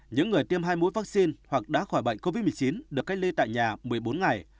những người tiêm hai mũi vaccine hoặc đã khỏi bệnh covid một mươi chín được cách ly tại nhà một mươi bốn ngày